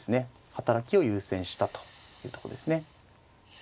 働きを優先したというとこですね。